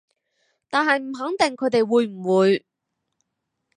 但係唔肯定佢哋會唔會